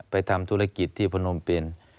ทำธุรกิจที่พนมเปียน